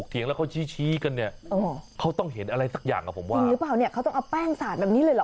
เออชัดเลยชัดเลย